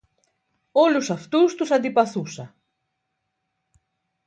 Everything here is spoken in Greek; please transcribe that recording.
Όλους αυτούς τους αντιπαθούσα